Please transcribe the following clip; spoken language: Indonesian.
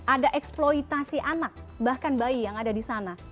ada eksploitasi anak bahkan bayi yang ada di sana